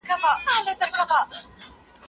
دا پرمختګ نسلونو ته ګټه رسولای شي.